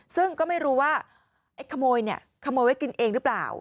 ซึ่งก็ไม่รู้ว่าไอ้ขโมยเนี่ยขโมยไว้กินเองหรือเปล่า